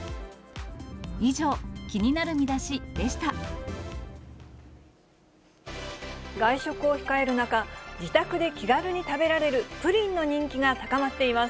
以上、外食を控える中、自宅で気軽に食べられるプリンの人気が高まっています。